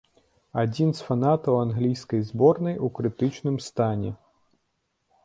Адзін з фанатаў англійскай зборнай у крытычным стане.